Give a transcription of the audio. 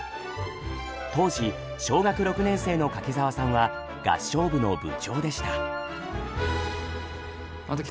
当時小学６年生の柿澤さんは合唱部の部長でした。